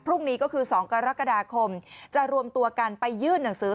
พรุ่งนี้ก็คือ๒กรกฎาคมจะรวมตัวกันไปยื่นหนังสือ